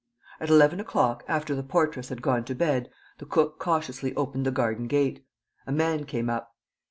At eleven o'clock, after the portress had gone to bed, the cook cautiously opened the garden gate. A man came up.